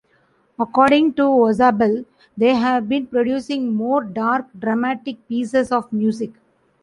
According to Orzabal, they have been producing more dark, dramatic pieces of music.